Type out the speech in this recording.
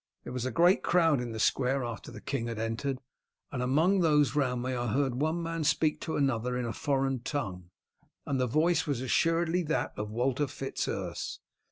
There was a great crowd in the square after the king had entered, and among those round me I heard one man speak to another in a foreign tongue, and the voice was assuredly that of Walter Fitz Urse.